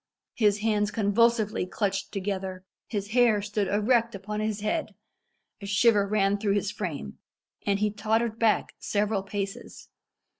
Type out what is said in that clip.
His hands convulsively clutched together; his hair stood erect upon his head; a shiver ran through his frame; and he tottered back several paces.